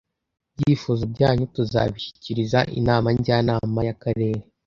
Ibyifuzo byanyu tuzabishyikiriza inama Njyanama y’Akarere